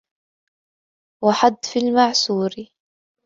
وَحَذْفِ الْمَعْسُورِ